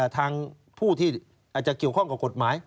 ทางผู้ที่อาจจะเกี่ยวข้องกับกฎหมาย